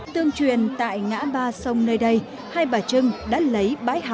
tương truyền tại ngã ba sông nơi đây